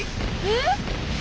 えっ？